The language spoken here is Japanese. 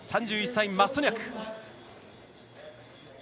３１歳、マストニャク。